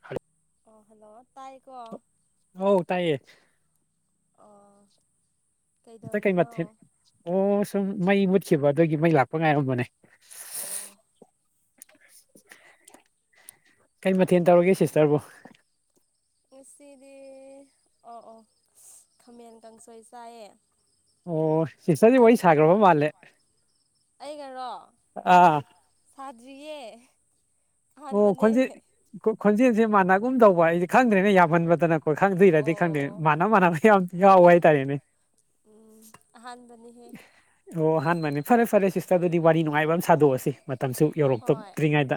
ꯍꯂ ꯑꯣ ꯍꯜꯂꯣ ꯇꯥꯏ ꯀꯣ ꯍ ꯇꯥꯏꯌꯦ ꯑꯣ ꯀꯩ ꯃꯊꯦꯜ ꯀꯩꯗꯧꯔꯤꯅꯣ ꯑꯣ ꯁꯨꯝ ꯃꯩ ꯃꯨꯠꯈꯤꯕ ꯑꯗꯨꯒꯤ ꯃꯩ ꯂꯥꯛꯄ ꯉꯥꯏꯔꯝꯕꯅꯦ ꯑꯣ ꯀꯩ ꯃꯊꯦꯜ ꯇꯧꯔꯒꯦ ꯁꯤꯁꯇꯔꯕꯨ ꯉꯁꯤꯗꯤ ꯑꯣ ꯑꯣ ꯈꯥꯃꯦꯟ ꯀꯥꯡꯁꯣꯏ ꯆꯥꯏꯌꯦ꯫ ꯑꯣ ꯁꯤꯁꯇꯔꯗꯤ ꯋꯥꯔꯤ ꯅꯪ ꯁꯥꯈ꯭ꯔꯕ ꯃꯥꯜꯂꯦ꯫ ꯑꯩꯒꯔꯣ ꯑꯥ ꯁꯥꯗ꯭ꯔꯤꯌꯦ꯫ ꯑꯣ ꯑꯍꯥꯟꯕꯅꯦ ꯈꯣꯟꯖꯦꯜ ꯈꯣꯟꯖꯦꯜꯁꯦ ꯃꯥꯟꯅꯒꯨꯝ ꯇꯧꯕ ꯑꯩꯁꯦ꯫ ꯈꯪꯗ꯭ꯔꯦꯅꯦ ꯌꯥꯝꯃꯟꯕꯗꯅꯀꯣꯏ ꯈꯪꯗꯣꯏꯔꯗꯤ ꯈꯪꯗꯦ ꯑꯣ ꯃꯅ ꯃꯥꯟꯅꯕ ꯌꯥꯝ ꯌꯥꯎꯋꯦ ꯍꯥꯏꯇꯥꯔꯦꯅꯦ꯫ ꯑꯍꯥꯟꯕꯅꯤꯍꯦ꯫ ꯑꯍꯥꯟꯕꯅꯦ ꯐꯔꯦ ꯐꯔꯦ ꯁꯤꯁꯇꯔꯗꯨꯗꯤ ꯋꯥꯔꯤ ꯅꯨꯡꯉꯥꯏꯕ ꯑꯃ ꯁꯥꯗꯣꯛꯑꯁꯤ꯫ ꯃꯇꯝꯁꯨ ꯍꯣꯏ ꯌꯧꯔꯛꯇꯛꯇ꯭ꯔꯤꯉꯩꯗ꯫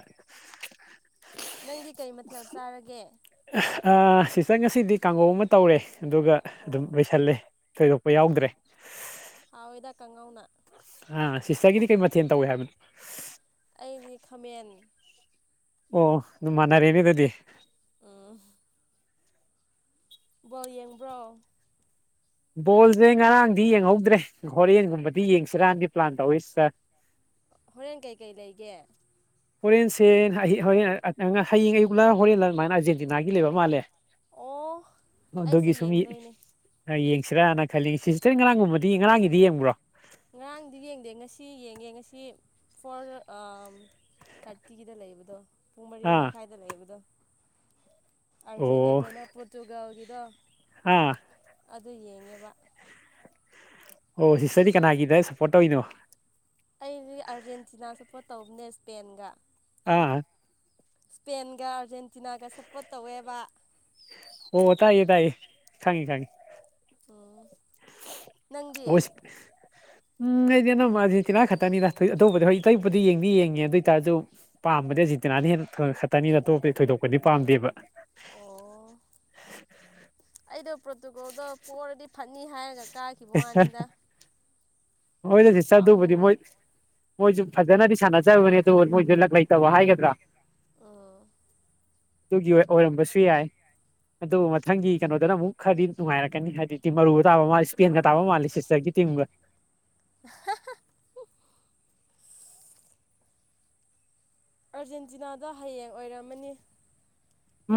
ꯅꯪꯗꯤ ꯀꯩ ꯃꯊꯦꯜ ꯆꯥꯔꯒꯦ ꯁꯤꯆ ꯉꯁꯤꯗꯤ ꯀꯥꯡꯒꯧ ꯑꯃ ꯇꯧꯔꯦ ꯑꯗꯨꯒ ꯑꯗꯨꯝ ꯑꯣ ꯂꯣꯏꯁꯜꯂꯦ꯫ ꯊꯣꯏꯗꯣꯛꯄ ꯌꯥꯎꯗ꯭ꯔꯦ꯫ ꯍꯥꯎꯋꯦꯗ ꯀꯥꯉꯧꯅ꯫ ꯑꯥ ꯁꯤꯁꯇꯔꯒꯤꯗꯤ ꯀꯩ ꯃꯊꯦꯜ ꯇꯧꯋꯦ ꯍꯥꯏꯕꯅꯣ꯫ ꯑꯩꯗꯤ ꯈꯥꯃꯦꯟ ꯑꯣ ꯃꯅꯔꯦꯅꯤ ꯑꯗꯨꯗꯤ꯫ ꯑ꯫ ꯕꯣꯜ ꯌꯦꯡꯕ꯭ꯔꯣ꯫ ꯕꯣꯜꯁꯦ ꯉꯔꯥꯡꯗꯤ ꯌꯦꯡꯍꯧꯗ꯭ꯔꯦ ꯍꯣꯔꯦꯟꯒꯨꯝꯕꯗꯤ ꯌꯦꯡꯁꯤꯔꯥꯟꯗꯤ ꯄ꯭ꯂꯥꯟ ꯇꯧꯔꯤꯁꯤ ꯁꯥꯔ꯫ [inaudible] ꯍꯣꯔꯦꯟ ꯀꯩꯀꯩ ꯂꯩꯒꯦ꯫ ꯍꯣꯔꯦꯟꯁꯦ ꯍꯣꯔꯦꯟ ꯍꯌꯦꯡ ꯑꯌ ꯄꯨꯂꯥ ꯍꯣꯔꯦꯟ ꯑꯗꯨꯃꯥꯏꯅ ꯑꯔꯖꯦꯟꯇꯤꯅꯥꯒꯤ ꯂꯩꯕ ꯃꯥꯜꯂꯦ꯫ ꯑꯣ ꯑꯩꯁꯨ ꯑꯣꯗꯒꯤ ꯁꯨꯝ ꯌꯦꯡꯗꯣꯏꯅꯦ ꯌꯦꯡ꯫ ꯁꯤꯔꯥꯅ ꯈꯜꯂꯤ ꯁꯤꯁꯇꯔ ꯉꯔꯥꯡꯒꯨꯝꯕꯗꯤ ꯉꯔꯥꯡꯒꯤꯗꯤ ꯌꯦꯡꯕ꯭ꯔꯣ꯫ ꯉꯔꯥꯡꯗꯤ ꯌꯦꯡꯗꯦ ꯉꯁꯤ ꯌꯦꯡꯉꯦ ꯉꯁꯤ ꯐꯣꯔ꯫ ꯊꯥꯔꯇꯤꯒꯤꯗ ꯂꯩꯕꯗꯣ ꯄꯨꯡ ꯃꯔꯤ ꯑꯥ ꯃꯈꯥꯏꯗ ꯂꯩꯕꯗꯣ꯫ ꯑꯔꯖꯦꯟ ꯑꯣ ꯌꯥꯀꯩꯅ ꯄꯣꯆꯨꯒꯜꯒꯗꯣ꯫ ꯑꯥ꯫ ꯑꯗꯨ ꯌꯦꯡꯉꯦꯕ꯫ ꯑꯣ ꯁꯤꯁꯇꯗꯤ ꯀꯅꯥꯒꯤꯗ ꯁꯄꯣꯔ ꯇꯧꯅꯣ ꯅ ꯏꯁꯄꯦꯟꯒ꯫ ꯑꯥ꯫ ꯏꯁꯄꯦꯟꯒ ꯑꯥꯔꯖꯦꯟꯇꯤꯅꯥꯒ ꯁꯞꯄꯣꯔꯠ ꯇꯧꯋꯦꯕ꯫ ꯑꯣ ꯇꯥꯏꯌꯦ ꯇꯥꯏꯌꯦ ꯈꯪꯉꯦ ꯈꯪꯉꯦ꯫꯫ ꯎꯝ ꯅꯪꯗꯤ [unintelligible] ꯎꯝ ꯑꯩꯗꯤ ꯑꯅꯝꯕ ꯑꯥꯔꯖꯦꯟꯇꯤꯅꯥ ꯈꯛꯇꯅꯤꯅ ꯑꯇꯧꯕꯗꯗꯤ ꯍꯣꯏ ꯏꯇꯩ ꯏꯨꯄꯗꯤ ꯌꯦꯡꯗꯤ ꯌꯦꯡꯉꯦ ꯑꯗꯨ ꯑꯣꯏꯇꯥꯔꯁꯨ ꯄꯥꯝꯕꯗ꯫ ꯁꯤ ꯇꯤꯅꯥꯅ ꯍꯦꯟꯅ ꯈꯛꯇꯅꯤꯅ ꯑꯇꯣꯞꯄꯗꯤ ꯊꯣꯏꯗꯣꯛꯄꯗꯤ ꯄꯥꯝꯗꯦꯕ꯫ [unintelligible] ꯑꯗꯨꯗꯣ ꯄ꯭ꯔꯣꯇꯨꯀꯣꯜꯗꯣ ꯄꯔꯗꯤ ꯐꯅꯤ ꯍꯥꯏꯔꯒ ꯀꯥꯈꯤꯕ ꯋꯥꯅꯤꯗ꯫ ꯍꯣꯏꯗ ꯁꯤꯁꯇ ꯑꯗꯨꯕꯨꯗꯤ ꯄꯥꯝꯃꯨꯌꯦ ꯃꯣꯏ ꯃꯣꯏꯁꯨ ꯐꯖꯅꯗꯤ ꯁꯥꯟꯅ꯫ ꯆꯕꯅꯦ ꯑꯗꯨ ꯃꯣꯏꯁꯨ ꯂꯛ ꯂꯩꯇꯧꯕ ꯍꯥꯏꯒꯗ꯭ꯔꯥ꯫ ꯎꯝ ꯑꯗꯨꯒꯤ ꯑꯣꯏꯔꯝꯕꯁꯨ ꯌꯥꯏ꯫ ꯑꯗꯨ ꯃꯊꯪꯒꯤ ꯀꯩꯅꯣꯗꯅ ꯑꯃꯨꯛ ꯈꯔꯗꯤ ꯅꯨꯡꯉꯥꯏꯔꯛꯀꯅꯤ ꯍꯥꯏꯗꯤ ꯃꯔꯨ ꯇꯥꯕ ꯃꯥꯜꯂꯤ ꯏꯁꯄꯦꯟꯒ ꯇꯥꯕ ꯃꯥꯂꯦ ꯁꯤꯁꯇꯒꯤ꯫ ꯇꯤꯡꯕ꯫ [unintelligible] ꯑꯥꯔꯖꯦꯟꯇꯤꯅꯥꯗ ꯍꯌꯦꯡ ꯑꯣꯏꯔꯝꯃꯅꯤ꯫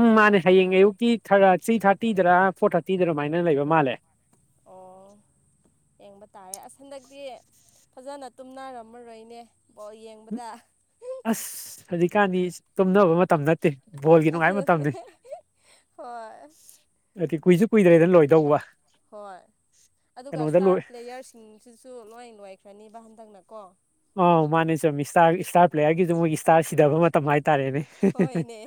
ꯎꯝ ꯃꯥꯅꯦ ꯍꯌꯦꯡ ꯑꯌꯨꯛꯀꯤ ꯊ꯭ꯔꯤ ꯊꯥꯔꯇꯤꯗꯔ ꯐꯣꯔ ꯊꯥꯔꯇꯤꯗ ꯑꯗꯨꯃꯥꯏꯅ ꯂꯩꯕ ꯃꯥꯜꯂꯦ꯫ [unintelligible] ꯑꯣ ꯌꯦꯡꯕ ꯇꯥꯔꯦ ꯍꯟꯗꯛꯇꯤ ꯐꯖꯅ ꯇꯨꯝꯅꯔꯝꯃꯔꯣꯏꯅꯦ꯫ ꯌꯦꯡꯕꯗ꯫ ꯑꯁ ꯍꯧꯖꯤꯛꯀꯥꯟꯗꯤ ꯇꯨꯝꯅꯕ ꯃꯇꯝ ꯅꯠꯇꯦ꯫ ꯕꯣꯜꯒꯤ ꯑꯗꯨ ꯅꯨꯡꯉꯥꯏꯕ ꯃꯇꯝꯅꯤ ꯍꯣꯏ꯫ ꯑꯗꯨ ꯀꯨꯏꯁꯨ ꯀꯨꯏꯗ꯭ꯔꯦꯅ ꯂꯣꯏꯗꯧꯕ꯫ ꯍꯣꯏ ꯑꯗꯨꯒ ꯀꯩꯅꯣꯗ ꯂꯣꯏ ꯏꯁꯇꯥꯔ ꯄ꯭ꯂꯦꯌꯔꯁꯤꯡꯁꯤꯁꯨ ꯂꯣꯏꯅ ꯂꯣꯏꯈ꯭ꯔ ꯔꯅꯤꯕ ꯍꯟꯗꯛꯅꯀꯣ ꯑꯣ ꯃꯥꯅꯦ ꯁꯨꯝ ꯏꯁꯇꯥꯔ ꯏꯁꯇꯥꯔ ꯄ꯭ꯂꯦꯌꯥꯔꯒꯤꯁꯨ ꯃꯣꯏꯒꯤ ꯏꯁꯇꯥꯔ ꯁꯤꯗꯕ ꯃꯇꯝ ꯍꯥꯏꯦ ꯍꯣꯏꯅꯦ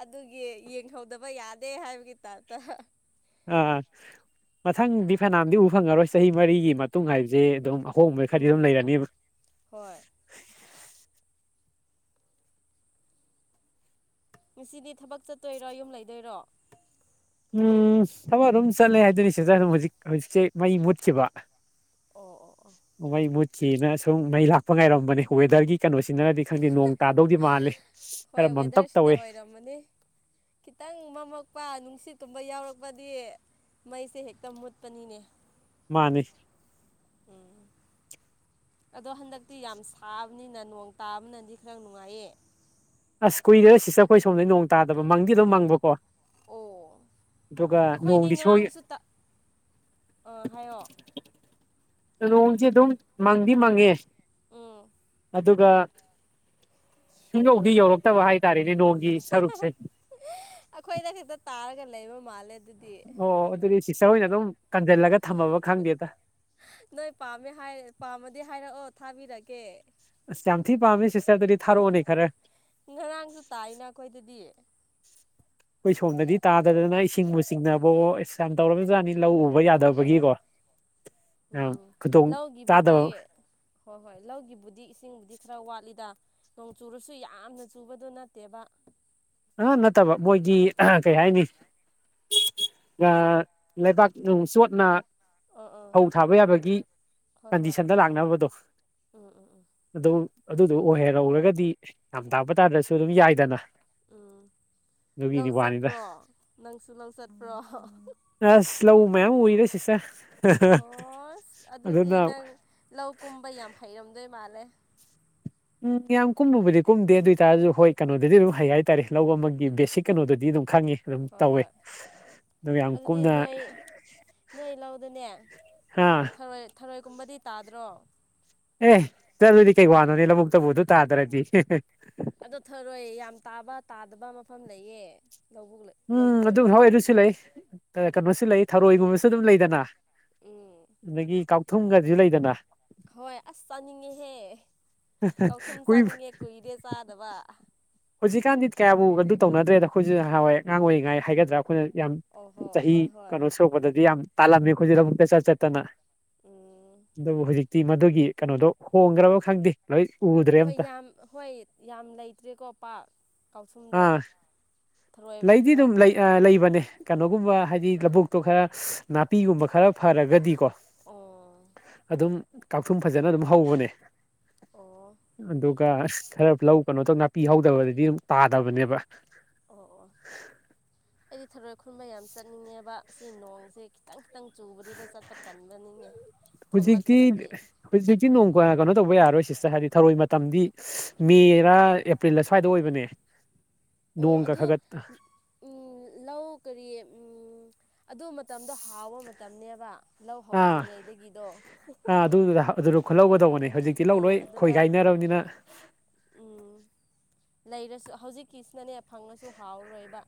ꯑꯗꯨꯒꯤ ꯌꯦꯡꯍꯧꯗꯕ ꯌꯥꯗꯦ ꯍꯥꯏꯕꯒꯤ ꯇꯇ ꯑꯥ ꯃꯊꯪꯗꯤ ꯐꯅꯥꯝꯗꯤ ꯎ ꯐꯪꯉꯔꯣꯏ ꯆꯍꯤ ꯃꯔꯤꯒꯤ ꯃꯇꯨꯡ ꯍꯥꯏꯕꯁꯦ ꯑꯗꯨꯝ ꯍꯣ ꯈꯥꯗꯤ ꯑꯗꯨꯝ ꯎꯝ ꯂꯩꯔꯅꯤꯕ ꯍꯣꯏ ꯉꯁꯤꯗꯤ ꯊꯕꯛ ꯆꯠꯇꯣꯏꯔꯣ ꯌꯨꯝ ꯂꯩꯗꯣꯏꯔꯣ ꯎꯝ ꯊꯕꯛ ꯑꯗꯨꯝ ꯆꯠꯂꯦ ꯍꯥꯏꯗꯣꯏꯅꯤ ꯁꯤꯗ ꯑꯗꯨꯝ ꯍꯧꯖꯤꯛ ꯍꯧꯖꯤꯛꯁꯦ ꯃꯩ ꯃꯨꯠꯈꯤꯕ ꯑꯣ ꯑꯣ ꯑꯣ ꯃꯩ ꯃꯨꯠꯈꯤꯅ ꯁꯨꯝ ꯃꯩ ꯂꯥꯛꯄ ꯉꯥꯏꯔꯝꯕꯅꯦ ꯋꯦꯗꯔꯒꯤ ꯀꯩꯅꯣꯁꯤꯅꯅꯗꯤ ꯈꯪꯗꯦ ꯅꯣꯡ ꯇꯥꯗꯧꯗꯤ ꯃꯥꯜꯂꯤ ꯍꯣꯏ ꯀꯔꯝꯕ ꯑꯝꯇꯞ ꯋꯦꯗꯔꯁꯤꯅ ꯇꯧꯏꯦ ꯑꯣꯏꯔꯝꯃꯅꯤ ꯈꯤꯇꯪ ꯃꯃꯠꯄ ꯅꯨꯡꯁꯤꯠ ꯇꯨꯝꯕ ꯌꯥꯎꯔꯛꯄꯗꯤ ꯃꯩꯁꯦ ꯍꯦꯛꯇ ꯃꯨꯠꯄꯅꯤꯅꯦ ꯃꯥꯅꯤ ꯎꯝ ꯑꯗꯣ ꯍꯟꯗꯛꯇꯤ ꯌꯥꯝ ꯁꯥꯕꯅꯤꯅ ꯅꯣꯡ ꯇꯥꯕꯅꯗꯤ ꯈꯔ ꯅꯨꯡꯉꯥꯏꯌꯦ ꯁ ꯀꯨꯏꯗ ꯁꯤꯁꯇ ꯑꯩꯈꯣꯏ ꯁꯣꯝꯗꯩ ꯅꯣꯡ ꯇꯥꯗ ꯃꯪꯗꯤ ꯑꯗꯨꯝ ꯃꯪꯕꯀꯣ ꯑꯣ ꯑꯗꯨꯒ ꯅꯣꯡꯒꯤ ꯁꯣꯏ ꯍꯥꯏꯌꯑꯣ ꯅꯣꯡꯁꯦ ꯑꯗꯨꯝ ꯃꯪꯗꯤ ꯃꯪꯉꯦ ꯎꯝ ꯑꯗꯨꯒ ꯁꯨꯡꯍꯧꯗꯤ ꯌꯧꯔꯛꯇꯕ ꯍꯥꯏꯇꯥꯔꯦ ꯔꯤꯅꯣꯒꯤ ꯁꯔꯨꯛꯁꯦ ꯑꯩꯈꯣꯏꯗ ꯈꯛꯇ ꯇꯥꯔꯒ ꯂꯩꯕ ꯃꯥꯜꯦ ꯑꯣ ꯑꯗꯨꯗꯤ ꯁꯤꯁꯥ ꯍꯏꯅ ꯑꯗꯨ ꯅꯣꯏ ꯄꯥꯝꯃꯦ ꯄꯥꯝꯃꯗꯤ ꯍꯥꯏꯔꯛꯑꯣ ꯊꯥꯕꯤꯔꯒꯦ ꯑꯁ ꯌꯥꯝ ꯊꯤ ꯄꯥꯝꯃꯤ ꯁꯤꯁꯇꯔꯗꯗꯤ ꯊꯥꯔꯛꯑꯣꯅꯦ ꯈꯔ ꯉꯔꯥꯡꯁꯨ ꯇꯥꯏꯅ ꯑꯩꯈꯣꯏꯗꯗꯤ ꯑꯩꯈꯣꯏ ꯁꯣꯝꯗꯗꯤ ꯇꯥꯗꯗꯅ ꯏꯁꯤꯡꯕꯨ ꯆꯤꯡꯅꯕꯣ ꯑꯦ ꯌꯥꯝ ꯇꯧꯔꯕꯖꯥꯠꯅꯤ ꯂꯧ ꯎꯕ ꯌꯥꯗꯕꯒꯤꯀꯣ ꯑꯣ ꯑ ꯎꯝ ꯈꯨꯗꯣꯡ ꯂꯧꯒꯤꯕꯨꯗꯤ ꯆꯥꯗꯕ ꯍꯣꯏ ꯍꯣꯏ ꯂꯧꯒꯤꯕꯨꯗꯤ ꯏꯁꯤꯡꯕꯨꯗꯤ ꯈꯔ ꯋꯥꯠꯂꯤꯗ ꯅꯣꯡ ꯆꯨꯔꯁꯨ ꯌꯥꯝꯅ ꯆꯨꯕꯗꯨ ꯅꯠꯇꯦꯕ ꯑꯥ ꯅꯠꯇꯕ ꯃꯣꯏꯗꯤ ꯀꯩ ꯍꯥꯏꯅꯤ ꯂꯩꯕꯥꯛ ꯅꯨꯡ ꯆꯣꯠꯅ ꯑꯥ ꯑꯥ ꯐꯧ ꯊꯥꯕ ꯌꯥꯕꯒꯤ ꯍꯣꯏ ꯍꯣꯏ ꯀꯟꯗꯤꯁꯟꯗ ꯂꯥꯛꯅꯕꯗꯣ ꯎꯝ ꯎꯝ ꯎꯝ ꯑꯗꯨ ꯑꯗꯨꯗꯣ ꯑꯣꯏꯍꯦꯔꯧꯔꯒꯗꯤ ꯌꯥꯝ ꯇꯥꯛꯄ ꯇꯥꯗꯁꯨ ꯑꯗꯨꯝ ꯌꯥꯏꯗꯅ ꯎꯝ ꯂꯧ ꯑꯗꯨꯒꯤꯗꯤ ꯋꯥꯅꯤꯗ ꯆꯠꯄ꯭ꯔꯣ ꯅꯪꯁꯨ ꯂꯧ ꯆꯠꯄ꯭ꯔꯣ ꯂꯧꯧ ꯃꯌꯥꯝ ꯎꯏꯔꯦ ꯁꯤ ꯁꯥꯦ ꯑꯣꯁ ꯑꯗꯨꯗꯤ ꯅꯪ ꯂꯧ ꯀꯨꯝꯕ ꯌꯥꯝ ꯍꯩꯔꯝꯗꯣꯏ ꯃꯥꯜꯂꯦ ꯌꯥꯝ ꯀꯨꯝꯃꯨꯕꯨꯗꯤ ꯀꯨꯝꯗꯦ ꯑꯗꯨ ꯑꯣꯏꯇꯥꯔꯁꯨ ꯍꯣꯏ ꯀꯩꯅꯣꯗꯗꯤ ꯑꯗꯨꯝ ꯍꯩ ꯍꯥꯏꯇꯥꯥꯔꯦ ꯂꯧ ꯑꯃꯒꯤ ꯕꯦꯁꯤꯛ ꯀꯩꯅꯣꯗꯗꯤ ꯑꯗꯨꯝ ꯈꯪꯉꯤ ꯑꯗꯨꯝ ꯍꯣꯏ ꯇꯧꯋꯦ ꯍꯣꯏ ꯑ ꯌꯥꯝ ꯑꯗꯨꯗꯤ ꯀꯨꯞꯅ ꯅꯣꯏ ꯅꯣꯏ ꯂꯧꯗꯅꯦ ꯍꯥ ꯊꯔꯣꯏ ꯊꯔꯣꯏꯒꯨꯝꯕꯗꯤ ꯇꯥꯗ꯭ꯔꯣ ꯑꯦ ꯆꯔꯗꯤ ꯀꯩꯏ ꯋꯥꯅ ꯅ ꯏꯂ ꯃꯨꯛꯛꯇꯕꯨꯗꯨ ꯇꯥꯇꯔꯗꯤ ꯑꯗꯣ ꯊꯔꯣꯏ ꯌꯥꯝ ꯇꯥꯕ ꯇꯥꯗꯕ ꯃꯐꯝ ꯂꯩꯌꯦ ꯂꯧꯕꯨꯛ ꯎꯝ ꯂꯧꯕꯨꯛ ꯑꯗꯨꯝ ꯍꯣꯏ ꯑꯣꯏꯔꯁꯨ ꯑꯗꯨꯁꯨ ꯂꯩ ꯀꯩꯅꯣꯁꯨ ꯂꯩ ꯊꯔꯣꯏꯒꯨꯝꯕꯁꯨ ꯑꯗꯨꯝ ꯂꯩꯗꯅ ꯎꯝ ꯑꯗꯒꯤ ꯀꯥꯎꯊꯨꯝꯒꯁꯨ ꯂꯩꯗꯅ ꯍꯣꯏ ꯑꯁ ꯆꯥꯅꯤꯡꯉꯦꯍꯦ ꯀꯧꯊꯨꯝ ꯀꯨꯏ ꯆꯥꯅꯤꯡꯉꯦ ꯀꯨꯏꯗꯦ ꯆꯥꯗꯕ ꯍꯧꯖꯤꯛꯀꯥꯟꯗꯤ ꯀꯌꯥꯕꯨ ꯑꯗꯨ ꯇꯧꯅꯗ꯭ꯔꯦꯗ ꯑꯩꯈꯣꯏꯁꯨ ꯍꯥꯟꯋꯥꯏꯉꯥꯡ ꯑꯣꯏꯔꯤꯉꯥꯏ ꯍꯥꯏꯒꯗ꯭ꯔꯥ ꯑꯩꯈꯣꯏꯅ ꯌꯥꯝ ꯑꯣ ꯍꯣ ꯆꯍꯤ ꯍꯣꯏ ꯍꯣꯏ ꯀꯩꯅꯣ ꯁꯣꯛꯄꯗꯗꯤ ꯌꯥꯝ ꯇꯥꯜꯂꯝꯃꯤ ꯑꯩꯈꯣꯏꯖꯤꯗ ꯑꯃꯨꯛꯇ ꯆꯠ ꯆꯠꯇꯅ ꯎꯝ ꯑꯗꯨꯕꯨ ꯍꯧꯖꯤꯛꯇꯤ ꯃꯗꯨꯒꯤ ꯀꯩꯅꯣꯗꯣ ꯍꯣꯡꯈ꯭ꯔꯕ ꯈꯪꯗꯦ ꯂꯣꯏ ꯎꯗ꯭ꯔꯦ ꯍꯣꯏ ꯑꯝꯇ ꯌꯥꯝ ꯍꯣꯏ ꯌꯥꯝ ꯂꯩꯇ꯭ꯔꯦꯀꯣ ꯄꯥꯛ ꯀꯥꯎꯁꯨꯝꯗꯣ ꯑꯥ ꯊꯔꯣꯏꯕꯗꯤ ꯈꯔ ꯈꯔ ꯂꯩꯌꯦꯕ ꯑꯗꯨꯒꯨꯝꯕ ꯍꯥꯏꯗꯤ ꯂꯧꯕꯨꯛꯇꯣ ꯈꯔ ꯅꯥꯄꯤꯒꯨꯝꯕ ꯈꯔ ꯐꯔꯒꯗꯤꯀꯣ ꯑꯣ ꯑꯗꯨꯝ ꯀꯥꯛꯊꯨꯝ ꯐꯖꯅ ꯑꯗꯨꯝ ꯍꯧꯕꯅꯦ ꯑꯣ ꯑꯗꯨꯒ ꯈꯔ ꯂꯧ ꯀꯩꯅꯣ ꯇꯧ ꯅꯥꯄꯤ ꯍꯧꯗꯕꯗꯗꯤ ꯑꯗꯨꯝ ꯇꯥꯗꯕꯅꯦꯕ ꯑꯣ ꯑꯣ ꯑꯩꯗꯤ ꯊꯔꯣꯏ ꯈꯨꯟꯕ ꯌꯥꯝ ꯆꯠꯅꯤꯡꯉꯦꯕ ꯑꯁꯤ ꯅꯣꯡꯁꯦ ꯈꯤꯇꯪ ꯈꯤꯇꯪ ꯆꯨꯕꯗꯨꯗ ꯆꯠꯄ ꯇꯟꯕꯅꯤꯅꯦ ꯍꯧꯖꯤꯛꯇꯤ ꯊꯣꯛꯂꯛꯇ꯭ꯔꯗꯤ ꯍꯧꯖꯤꯛꯇꯤ ꯅꯣꯡ ꯀꯩꯅꯣ ꯇꯧꯕ ꯌꯥꯔꯣꯏ ꯁꯤꯁꯇꯔ ꯍꯥꯏꯗꯤ ꯊꯧꯔꯣꯏ ꯃꯇꯝꯗꯤ ꯃꯦꯔ ꯑꯦꯄ꯭ꯔꯤꯜꯗ ꯁ꯭ꯋꯥꯏꯗ ꯑꯣꯏꯕꯅꯦ ꯎ ꯅꯣꯡꯒ ꯑꯗꯨ ꯈꯒꯠ ꯎꯝ ꯂꯧ ꯀꯔꯤ ꯎꯝ ꯑꯗꯨ ꯃꯇꯝꯗꯣ ꯍꯥꯎꯕ ꯃꯇꯝꯅꯦꯕ ꯂꯧ ꯑꯥ ꯍꯧꯗ꯭ꯔꯤꯉꯩꯗꯒꯤꯗꯣ ꯑꯥ ꯑꯗꯨꯗꯨꯗ ꯑꯗꯨꯗ ꯈꯨꯠꯍꯧꯒꯗꯧꯕꯅꯦ ꯍꯧꯖꯤꯛꯇꯤ ꯂꯧ ꯑꯪ ꯂꯣꯏ ꯑꯗꯨꯗ ꯈꯣꯏꯒꯥꯏꯅꯔꯕꯅꯤꯅ ꯂꯩꯔꯁꯨ ꯍꯧꯖꯤꯛꯀꯤꯁꯤꯅꯅꯦ ꯐꯪꯉꯁꯨ ꯍꯥꯎꯔꯣꯏꯕ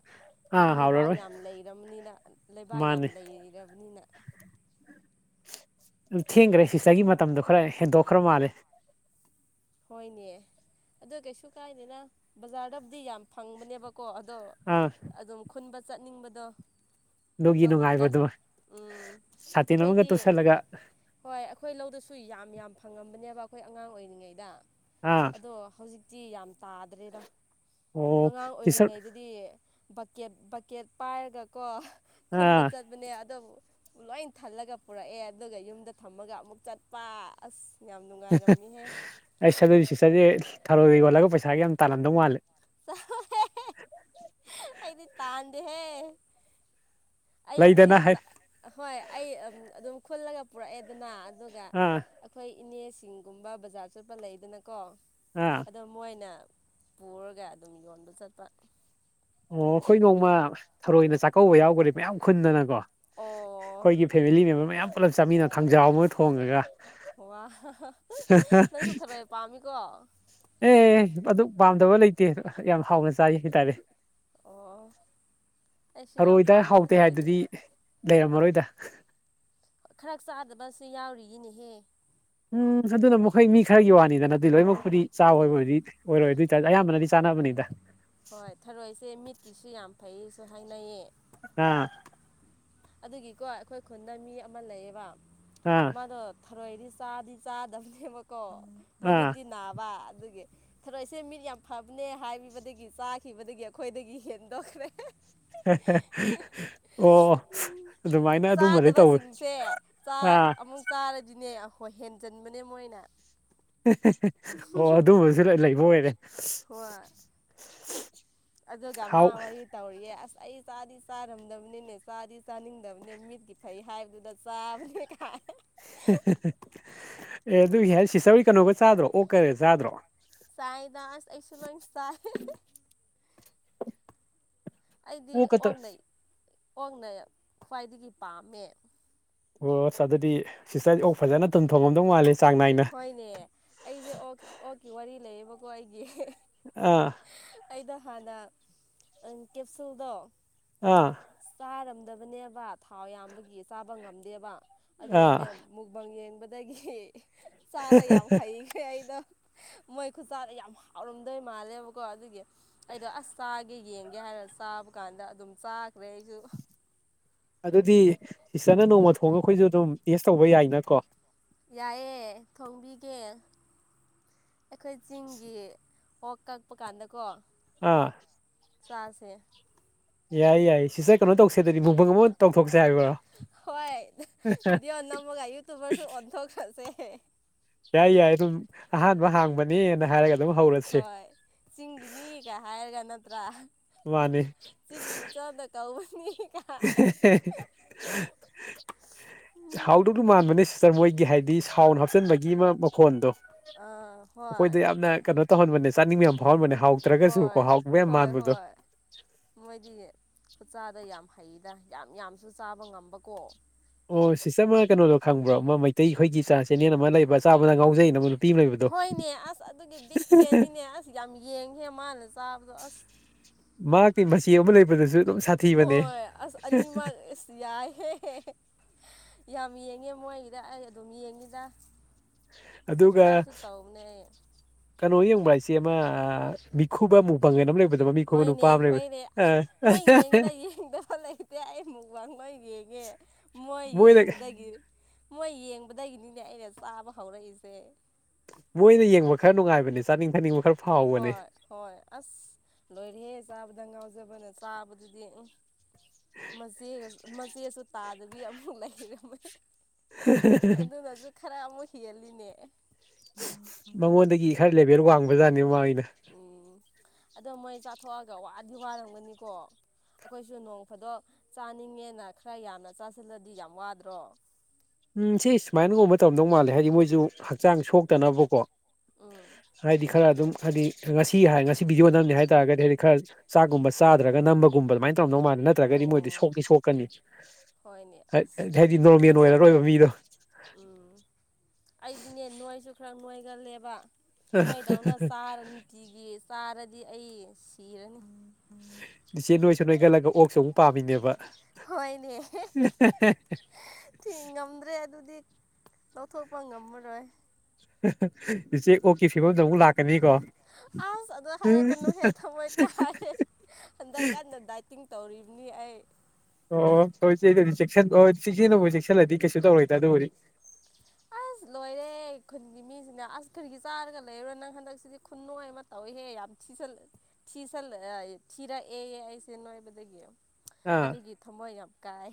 ꯑꯥ ꯍꯥꯏꯗꯤ ꯂꯩꯕꯥꯛ ꯍꯥꯎꯔꯔꯣꯏ ꯌꯥꯝ ꯂꯩꯔꯕꯅꯤꯅ ꯂꯩꯕꯥꯛ ꯌꯥꯝ ꯂꯩꯔꯕꯅꯤꯅ ꯎꯝ ꯑꯗꯨꯝ ꯊꯦꯡꯈ꯭ꯔꯦ ꯁꯤꯇꯒꯤ ꯃꯇꯝꯗꯣ ꯈꯔ ꯍꯦꯟꯗꯣꯛꯈ꯭ꯔ ꯃꯥꯜꯂꯦ ꯍꯣꯏꯅꯦ ꯑꯗꯨ ꯀꯩꯁꯨ ꯀꯥꯏꯅꯤꯅ ꯕꯖꯥꯔꯗꯕꯨꯗꯤ ꯌꯥꯝ ꯐꯪꯕꯅꯦꯕ ꯀꯣ ꯑꯗꯣ ꯑꯗꯨꯝ ꯈꯨꯟꯕ ꯆꯠꯅꯤꯡꯕꯗꯣ ꯅꯗꯨꯒꯤ ꯂꯧꯕꯨꯛꯇ ꯅꯨꯡꯉꯥꯏꯕꯗꯨꯣ ꯎꯝ ꯁꯥꯇꯤꯟ ꯑꯃꯒ ꯑꯩꯈꯣꯏꯗꯤ ꯇꯨꯁꯤꯜꯂꯒ ꯍꯣꯏ ꯑꯩꯈꯣꯏ ꯂꯧꯗꯁꯨ ꯌꯥꯝ ꯌꯥꯝ ꯐꯪꯉꯝꯕꯅꯦꯕ ꯑꯩꯈꯣꯏ ꯑꯉꯥꯡ ꯑꯣꯏꯔꯤꯉꯩꯗ ꯑꯥ ꯑꯗꯣ ꯍꯧꯖꯤꯛꯇꯤ ꯌꯥꯝ ꯇꯥꯗ꯭ꯔꯦꯅ ꯑꯣ ꯑꯉꯥꯡ ꯁꯤꯁꯇꯔ ꯑꯣꯏꯔꯤꯉꯩꯗꯗꯤ ꯕꯛꯀꯦꯠ ꯕꯛꯀꯦꯠ ꯄꯥꯏꯔꯒꯀꯣ ꯑꯥ ꯈꯨꯟꯕ ꯆꯠꯄꯅꯦ ꯑꯗꯣ ꯂꯣꯏ ꯊꯜꯂꯒ ꯄꯨꯔꯛꯑꯦ ꯑꯗꯨꯒ ꯌꯨꯝꯗ ꯊꯝꯃꯒ ꯑꯃꯨꯛ ꯆꯠꯄ ꯑꯁ ꯌꯥꯝ ꯅꯨꯡꯉꯥꯏꯔꯝꯃꯤꯍꯦ ꯑꯩ ꯁꯗꯣꯏ ꯁꯤꯆꯔꯁꯦ ꯊꯧꯔꯣꯏꯗ ꯌꯣꯜꯂꯒ ꯄꯩꯁꯥꯒꯤ ꯌꯥꯝ ꯇꯜꯂꯝꯗꯧ ꯃꯥꯜꯂꯦ [unintelligible] ꯍꯥꯏꯗꯤ ꯇꯥꯟꯗꯍꯦ ꯑꯩꯕꯨꯗꯤ ꯂꯩꯗꯅ ꯍꯥꯏ ꯍꯣꯏ ꯑꯩ ꯑꯗꯨꯝ ꯈꯨꯜꯂꯒ ꯄꯨꯔꯛꯑꯦꯗꯅ ꯑꯗꯨꯒ ꯑꯥ ꯑꯩꯈꯣꯏ ꯏꯅꯦ ꯁꯤꯡꯒꯨꯝꯕ ꯕꯖꯥꯔ ꯆꯣꯠꯄ ꯂꯩꯗꯅ ꯀꯣ ꯑꯥ ꯑꯗꯣ ꯃꯣꯏꯅ ꯄꯨꯔꯒ ꯑꯗꯨꯝ ꯌꯣꯟꯕ ꯆꯠꯄ ꯑꯣ ꯑꯩꯈꯣꯏ ꯅꯣꯡꯃ ꯊꯔꯣꯏꯅ ꯆꯥꯛꯀꯧꯕ ꯌꯥꯎꯈ꯭ꯔꯦ ꯃꯌꯥꯝ ꯈꯨꯟꯗꯅꯀꯣ ꯑꯣ ꯑꯩꯈꯣꯏꯒꯤ ꯐꯦꯃꯤꯂꯤ ꯃꯦꯝꯕꯔ ꯃꯌꯥꯝ ꯄꯨꯜꯂꯞ ꯆꯥꯃꯤꯟꯅ ꯈꯪꯖꯥꯎ ꯑꯃ ꯊꯣꯡꯉꯒ ꯋꯥ ꯅꯪ ꯆꯠꯊꯔꯛꯦ ꯄꯥꯝꯃꯤꯀꯣ ꯑꯦ ꯑꯗꯨ ꯄꯥꯝꯗꯕ ꯂꯩꯇꯦ ꯌꯥꯝ ꯍꯥꯎꯅ ꯆꯥꯏ ꯍꯥꯏꯇꯥꯔꯦ ꯑꯣ ꯑꯩꯁꯨ ꯌꯥꯝ ꯍꯔꯣꯏꯗ ꯄꯥꯝꯃꯦ ꯍꯥꯎꯇꯦ ꯊꯔꯣꯏꯗꯤ ꯍꯥꯏꯗꯨꯗꯤ ꯂꯩꯔꯝꯃꯔꯣꯏꯗ ꯈꯔ ꯆꯥꯗꯕꯁꯨ ꯌꯥꯎꯔꯤꯌꯦꯅꯦꯍꯦ ꯎꯝ ꯑꯗꯨꯅ ꯃꯈꯣꯏ ꯃꯤ ꯈꯔꯒꯤ ꯋꯥꯅꯤꯗꯅ ꯑꯗꯨꯗꯤ ꯂꯣꯏꯅꯃꯛꯄꯨꯗꯤ ꯆꯥꯕꯣꯏꯕꯕꯨꯗꯤ ꯎꯝ ꯑꯣꯏꯔꯣꯏ ꯑꯗꯨ ꯑꯣꯏꯇꯥꯔꯗꯤ ꯑꯌꯥꯝꯕꯅꯗꯤ ꯆꯥꯅ ꯕꯅꯤꯗ ꯍꯣꯏ ꯊꯔꯣꯏꯁꯦ ꯃꯤꯠꯀꯤꯁꯨ ꯌꯥꯝ ꯐꯩꯌꯦꯁꯨ ꯍꯥꯏꯅꯩꯌꯦ ꯑꯝ ꯑꯗꯨꯒꯤꯀꯣ ꯑꯩꯈꯣꯏ ꯈꯨꯟꯗ ꯃꯤ ꯑꯃ ꯂꯩꯌꯦꯕ ꯑꯥ ꯃꯥꯗꯣ ꯊꯔꯣꯏ ꯆꯥꯗꯤ ꯆꯥꯗꯕꯅꯦꯕꯀꯣ ꯑꯥ ꯃꯃꯤꯠꯇꯤ ꯅꯥꯕ ꯑꯗꯨꯒꯤ ꯊꯔꯛ ꯏꯁꯦ ꯃꯤꯠ ꯌꯥꯝ ꯐꯕꯅꯦ ꯍꯥꯏꯕꯗꯒꯤ ꯆꯥꯈꯤꯕꯗꯒꯤ ꯑꯩꯈꯣꯏꯗꯒꯤ ꯍꯦꯟꯗꯣꯛꯈ꯭ꯔꯦ [unintelligible] ꯎ ꯑꯗꯨꯃꯥꯏꯅ ꯑꯗꯨꯝꯕꯗꯤ ꯇꯧꯋꯦ ꯆꯥꯗꯕꯁꯤꯡꯁꯦ ꯑꯥ ꯑꯃꯨꯛ ꯆꯥꯔꯗꯤꯅꯦ ꯍꯣꯏ ꯍꯦꯟꯖꯤꯟꯕꯅꯦ ꯃꯣꯏꯅ ꯑꯣ ꯑꯗꯨꯝꯕꯁꯨ ꯂꯩꯕ ꯑꯣꯏꯔꯦ ꯍꯣꯏ ꯑꯗꯨꯒ ꯑꯃ ꯍꯥꯎ ꯋꯥꯔꯤ ꯇꯧꯔꯤꯌꯦ ꯑꯁ ꯑꯩ ꯆꯥꯗꯤ ꯆꯥꯔꯝꯗꯕꯅꯤꯅꯦ ꯆꯥꯗꯤ ꯆꯥꯅꯤꯡꯗꯕꯅꯤ ꯃꯤꯠꯀꯤ ꯐꯩ ꯍꯥꯏꯕꯗꯨꯗ ꯆꯥꯕꯅꯦ ꯈꯥꯏ ꯑꯦ ꯑꯗꯨꯒꯤ ꯍꯥꯏ ꯁꯤꯆꯧꯔꯤ ꯀꯩꯅꯣꯒ ꯆꯥꯗ꯭ꯔꯣ ꯑꯣꯛ ꯀꯔꯤ ꯆꯥꯗ꯭ꯔꯣ ꯁꯏꯗꯥꯁ ꯑꯩꯁꯨꯂꯣ ꯁ ꯑꯩꯗꯤ ꯑꯣꯛꯀꯇ ꯑꯣꯅ ꯑꯣꯅ ꯈ꯭ꯋꯥꯏꯗꯒꯤ ꯄꯥꯝꯃꯦ ꯑꯣꯁ ꯑꯗꯨꯗꯤ ꯁꯤꯇꯥꯏ ꯑꯣ ꯐꯖꯅ ꯇꯨꯝꯊꯣꯡꯐꯝꯝꯗꯧ ꯃꯥꯂ ꯍꯣꯏꯅꯦ ꯑꯩꯁꯦ ꯑꯣ ꯑꯣꯛꯀꯤ ꯋꯥꯔꯤ ꯂꯩꯌꯦꯕꯀꯣ ꯑꯩꯒꯤ ꯑꯥ ꯑꯩꯗ ꯍꯥꯟꯅ ꯀꯦꯞꯁꯨꯜꯗꯣ ꯑꯥ ꯆꯥꯔꯝꯗꯕꯅꯦꯕ ꯊꯥꯎ ꯌꯥꯝꯕꯒꯤ ꯆꯥꯕ ꯉꯝꯗꯦꯕ ꯑꯗꯨꯒꯅꯦ ꯑꯥ ꯃꯨꯛꯕꯥꯪ ꯌꯦꯟ ꯕꯗꯒꯤ ꯆꯥꯕ ꯌꯥꯝ ꯍꯩꯈ꯭ꯔꯦ ꯑꯩꯗꯣ [unintelligible] ꯃꯣꯏ ꯈꯨꯠꯆꯥꯥꯗ ꯌꯥꯝ ꯍꯥꯎꯔꯝꯗꯣꯏ ꯃꯥꯜꯂꯦꯕꯀꯣ ꯑꯗꯨꯒꯤ ꯑꯩꯗꯣ ꯑꯁ ꯆꯥꯒꯦ ꯌꯦꯡꯒꯦ ꯍꯥꯏꯔ ꯆꯥꯕ ꯀꯥꯟꯗ ꯑꯗꯨꯝ ꯆꯥꯈ꯭ꯔꯦ ꯑꯩꯁꯨ ꯑꯗꯨꯗꯤ ꯁꯤꯇꯔꯅ ꯅꯣꯡꯃ ꯊꯣꯡꯉ ꯑꯩꯈꯣꯏꯁꯨ ꯑꯗꯨꯝ ꯑꯦꯁ ꯇꯧꯕ ꯌꯥꯏ ꯅꯠꯇ꯭ꯔꯣ ꯌꯥꯏꯑꯦ ꯊꯣꯡꯕꯤꯒꯦ ꯑꯩꯈꯣꯏ ꯆꯤꯡꯒꯤ ꯑꯣ ꯀꯛꯄ ꯀꯥꯟꯗꯀꯣ ꯑꯥ ꯁꯥ ꯁꯦ ꯌꯥꯏꯌꯦ ꯌꯥꯏ ꯁꯤꯁꯦ ꯀꯩꯅꯣ ꯇꯧꯁꯦꯗꯗꯤ ꯃꯨꯡꯐꯝ ꯑꯃ ꯇꯧꯊꯣꯛꯁꯦ ꯍꯥꯏꯕ꯭ꯔꯣ ꯍꯣꯏꯗꯤꯑꯣꯅꯥꯃ ꯍꯥꯏꯌꯨ ꯇꯃꯔꯁꯨꯨꯝ ꯑꯣꯟꯊꯁ ꯑꯁ ꯌꯥꯏ ꯌꯥꯏ ꯑꯗꯨꯝ ꯑꯍꯥꯟꯕ ꯍꯥꯡꯕꯅꯦꯅ ꯍꯥꯏꯔꯒ ꯑꯗꯨꯝ ꯍꯧꯔꯁꯦ ꯍꯣꯏ ꯆꯤꯡꯒꯤꯅꯤꯒ ꯍꯥꯏꯔꯒ ꯅꯠꯇ꯭ꯔꯥ ꯃꯥꯅꯦ ꯆꯤꯡꯒꯤ ꯆꯥꯅ ꯀꯥꯎꯕꯅꯤ [unintelligible] ꯍꯥꯎꯗꯨꯗꯨ ꯃꯥꯟꯕꯅꯦ ꯁꯤꯁꯇꯔ ꯃꯣꯏꯒꯤ ꯍꯥꯏꯗꯤ ꯁꯥꯎꯅ ꯍꯥꯞꯆꯤꯟꯕꯒꯤ ꯑꯃ ꯃꯈꯣꯟꯗꯣ ꯑꯥ ꯍꯣꯏ ꯑꯩꯈꯣꯏꯗ ꯌꯥꯝꯅ ꯀꯩꯅꯣ ꯇꯧꯍꯟꯕꯅꯦ ꯆꯅꯤꯡꯃꯤꯣꯜ ꯃꯅꯦ ꯍꯣꯏ ꯍꯣꯏ ꯍꯣꯏ ꯃꯣꯏꯗꯤ ꯈꯨꯠꯆꯥꯗ ꯌꯥꯝ ꯐꯩꯗ ꯌꯥꯝ ꯌꯥꯝꯁꯨ ꯆꯥꯕ ꯉꯝꯕꯀꯣ ꯑꯣ ꯁꯤꯁꯇꯔ ꯑꯃ ꯀꯩꯅꯣꯗꯣ ꯈꯪꯕ꯭ꯔꯣ ꯑꯃ ꯃꯩꯇꯩ ꯑꯩꯈꯣꯏꯒꯤ ꯆꯥꯛ ꯆꯦꯅꯦꯦꯟ ꯑꯃ ꯂꯩꯕ ꯆꯥꯕꯗ ꯉꯥꯎꯖꯩꯅ ꯑꯃ ꯅꯨꯄꯤ ꯑꯃ ꯂꯩꯕꯗꯣ ꯍꯣꯏꯅꯦ ꯑꯁ ꯑꯗꯨꯒꯤ ꯕꯤꯛ ꯐꯦꯟꯅꯤꯅꯦ ꯑꯁ ꯌꯥꯝ ꯌꯦꯡꯉꯦ ꯃꯥꯜꯅ ꯃꯍꯥꯛꯀꯤ ꯃꯆꯤ ꯑꯃ ꯂꯩꯕꯗꯁꯨ ꯍꯣꯏ ꯑ ꯑꯅꯤ ꯃ ꯌꯥꯑ ꯌꯥꯝ ꯌꯦꯡꯉꯦ ꯃꯣꯏꯒꯤꯗ ꯑꯩ ꯑꯗꯨꯝ ꯌꯦꯡꯉꯤꯗ ꯑꯗꯨꯒ ꯁꯞꯁꯀ꯭ꯔꯥꯏꯕꯁꯨ ꯇꯧꯕꯅꯦ ꯑꯩ ꯀꯩꯅꯣ ꯌꯦꯡꯕ ꯍꯥꯏꯁꯦ ꯑꯃ ꯃꯤꯈꯨꯕ ꯑꯃꯨꯛꯕꯪꯒꯦꯟ ꯑꯃ ꯂꯩꯕ ꯍꯣꯏꯅꯦ ꯍꯣꯏꯅꯦ ꯑꯁ ꯅꯣꯏ ꯌꯦꯡꯉꯦꯗ ꯌꯦꯡꯗꯕ ꯂꯩꯇꯦ ꯑꯩ ꯑꯃꯨꯛ ꯋꯥ ꯅꯣꯏ ꯌꯦꯡꯉꯦ ꯃꯣꯏ ꯃꯣꯏꯅ ꯌꯦꯡꯕꯗꯒꯤ ꯃꯣꯏ ꯌꯦꯡꯕꯗꯒꯤꯅꯤꯅꯦ ꯑꯩꯅ ꯆꯥꯕ ꯍꯧꯔꯛꯏꯁꯦ ꯃꯣꯏꯅ ꯌꯦꯡꯕ ꯈꯔ ꯅꯨꯡꯉꯥꯏꯕꯅꯦ ꯆꯥꯅꯤꯡ ꯊꯛꯅꯤꯡꯕ ꯈꯔ ꯐꯥꯎꯕꯅꯦ ꯍꯣꯏ ꯍꯣꯏ ꯑꯁ ꯂꯣꯏꯔꯤꯍꯤꯦ ꯆꯥꯕꯗꯒ ꯐꯖꯕꯅ ꯆꯥꯕꯗꯨꯗꯤ ꯎ ꯃꯆꯦꯒ ꯃꯆꯦꯁꯨ ꯇꯥꯗꯕꯤ ꯑꯃꯨꯛ ꯂꯩꯔꯝꯃꯦꯣꯏ ꯑꯗꯨꯅꯁꯨ ꯈꯔ ꯑꯃꯨꯛ ꯊꯂꯤꯅꯦ ꯃꯉꯣꯟꯗꯒꯤ ꯈꯔ ꯂꯦꯚꯦꯜ ꯋꯥꯡꯕ ꯖꯥꯠꯅꯦ ꯃꯃꯥꯡꯒꯤꯩꯅ ꯎꯝ ꯑꯗꯣ ꯃꯣꯏ ꯆꯥꯊꯣꯛꯑꯒ ꯋꯥꯗꯤ ꯋꯥꯔꯝꯒꯅꯤꯀꯣ ꯑꯩꯈꯣꯏꯁꯨ ꯅꯣꯡ ꯐꯥꯗꯣꯛ ꯆꯥꯅꯤꯡꯉꯦꯅ ꯈꯔ ꯌꯥꯝꯅ ꯆꯥꯁꯤꯜꯂꯗꯤ ꯌꯥꯝ ꯋꯥꯗ꯭ꯔꯣ ꯎꯝ ꯁꯤ ꯁꯨꯃꯥꯏꯅꯒꯨꯝꯕ ꯇꯧꯗꯧ ꯃꯥꯜꯂꯦ ꯍꯥꯏꯗꯤ ꯃꯣꯏꯁꯨ ꯍꯛꯆꯥꯡ ꯁꯣꯛꯇꯅꯕꯀꯣ ꯎꯝ ꯍꯥꯏꯗꯤ ꯈꯔ ꯑꯗꯨꯝ ꯍꯥꯏꯗꯤ ꯉꯁꯤ ꯍꯥꯏ ꯉꯁꯤ ꯕꯤ ꯌꯣꯟꯅꯕꯅꯤ ꯍꯥꯏꯇꯥꯔꯒꯗꯤ ꯍꯥꯏꯗꯤ ꯈꯔ ꯆꯥꯛꯒꯨꯝꯕ ꯆꯥꯗ꯭ꯔꯒ ꯅꯝꯕꯒꯨꯝꯕ ꯑꯗꯨꯃꯥꯏꯅ ꯇꯧꯅꯧ ꯃꯥꯜꯂꯦ ꯅꯠꯇ꯭ꯔꯒꯗꯤ ꯃꯣꯏꯗꯤ ꯑꯣ ꯁꯣꯛꯅꯤ ꯁꯣꯛꯀꯅꯤ ꯍꯣꯏꯅꯦ ꯑꯁ ꯍꯥꯏꯗꯤ ꯅꯣꯔꯃꯦꯜ ꯑꯣꯏꯔꯔꯣꯏꯕ ꯃꯤꯗꯣ ꯎꯝ ꯑꯩꯗꯤꯅꯦ ꯅꯣꯏꯁꯨ ꯈꯔ ꯅꯣꯏꯒꯜꯂꯦꯕ ꯃꯣꯏꯗꯧꯅ ꯆꯥꯔ ꯅꯨꯡꯇꯤꯒꯤ ꯆꯥꯔꯗꯤ ꯑꯩ ꯁꯤꯔꯅꯤ ꯏꯆꯦ ꯅꯣꯏꯁꯨ ꯅꯣꯏꯒꯠꯂꯒ ꯑꯣꯛꯁꯨ ꯑꯃꯨꯛ ꯄꯥꯝꯃꯤꯅꯦꯕ ꯍꯣꯏꯅꯦ ꯊꯤꯉꯝꯗ꯭ꯔꯦ ꯑꯗꯨꯗꯤ ꯂꯧꯊꯣ ꯄ ꯉꯝꯃꯦ ꯔꯦ ꯏꯆꯦ ꯑꯣꯀꯤ ꯐꯤꯃꯣ ꯑꯃꯨꯛ ꯂꯥꯛꯀꯅꯤꯀꯣ ꯑꯁ ꯑꯗꯨ ꯍꯥꯏꯔꯛꯀꯅꯨꯍꯦ ꯊꯃꯣꯏ ꯀꯥꯏꯔꯦ ꯍꯟꯗꯛ ꯀꯟꯅ ꯗꯥꯏꯇꯤꯡ ꯇꯧꯔꯤꯕꯅꯤ ꯑꯩ ꯑꯣ ꯍꯣꯏ ꯆꯦꯗꯗꯤ ꯆꯦꯛꯁꯤ ꯑꯣ ꯆꯦꯛꯁꯤꯟꯅꯕꯨꯥꯎ ꯆꯦꯛꯁꯤꯜꯂꯗꯤ ꯀꯩꯁꯨ ꯇꯧꯔꯣꯏꯗ ꯑꯗꯨꯕꯨꯗꯤ [inaudible] ꯑꯁ ꯂꯣꯏꯔꯦ ꯈꯨꯟꯒꯤ ꯃꯤꯁꯤꯡꯅ ꯑꯁ ꯈꯨꯔꯒꯤ ꯆꯥꯔꯒ ꯂꯩꯔꯣꯏ ꯅꯪ ꯍꯟꯗꯛꯁꯤꯗꯤ ꯈꯨꯟꯣꯏ ꯑꯃ ꯇꯧꯏꯍꯦ ꯌꯥꯝ ꯊ ꯆ ꯊꯤ ꯆꯜ ꯊꯤꯔ ꯑꯦꯁꯦ ꯅꯕꯗꯒ ꯑꯥ ꯑꯗꯨꯒꯤ ꯊꯃꯣꯏ ꯌꯥꯝ ꯀꯥꯏ